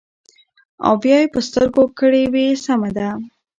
او بيا يې پۀ سترګو کړې وې سمه ده ـ